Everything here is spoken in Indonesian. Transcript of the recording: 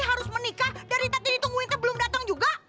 saya harus menikah dari tadi ditungguin teh belum datang juga